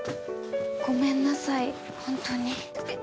ごめんなさいホントに。